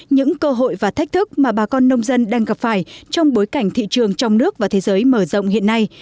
những cơ hội và thách thức mà bà con nông dân đang gặp phải trong bối cảnh thị trường trong nước và thế giới mở rộng hiện nay